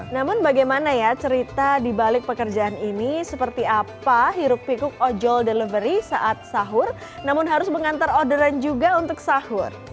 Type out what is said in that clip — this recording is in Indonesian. namun bagaimana ya cerita di balik pekerjaan ini seperti apa hirup pikuk ojol delivery saat sahur namun harus mengantar orderan juga untuk sahur